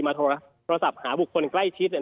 โทรศัพท์หาบุคคลใกล้ชิด